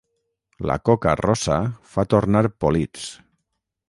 La coca rossa fa tornar polits.